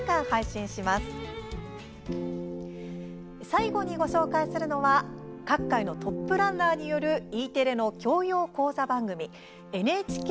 最後にご紹介するのは各界のトップランナーによるＥテレの教養講座番組「ＮＨＫＡＣＡＤＥＭＩＡ」。